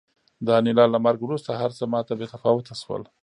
د انیلا له مرګ وروسته هرڅه ماته بې تفاوته شول